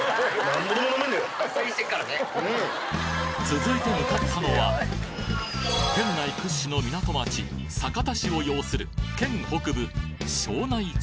続いて向かったのは県内屈指の港町酒田市を擁する県北部